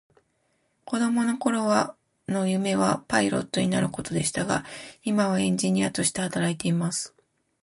子供の頃の夢はパイロットになることでしたが、今はエンジニアとして働いています。